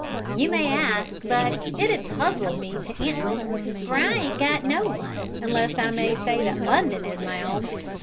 "You may ask, but it 'ud puzzle me to answer for I ain't got no 'ome, unless I may say that London is my 'ome.